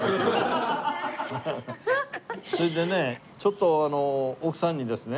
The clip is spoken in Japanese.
それでねちょっと奥さんにですね